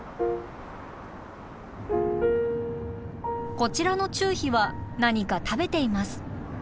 こちらのチュウヒは何か食べています。